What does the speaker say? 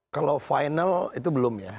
kalau final itu belum ya